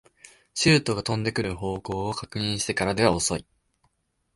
シュートが飛んでくる方向を確認してからでは遅い